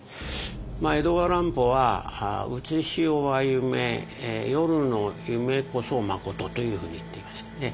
江戸川乱歩は「うつし世は夢夜の夢こそまこと」というふうに言っていましたね。